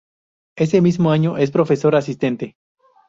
Ese mismo año es profesor asistente.